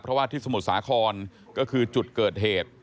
เพราะว่าที่สมุทรสาครก็คือจุดเกิดเหตุ